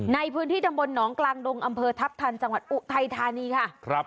ในพื้นที่ตำบลหนองกลางดงอำเภอทัพทันจังหวัดอุทัยธานีค่ะ